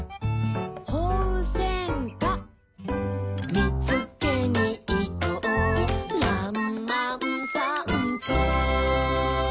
「見つけに行こうらんまんさんぽ」